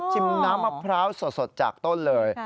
น้ำมะพร้าวสดจากต้นเลย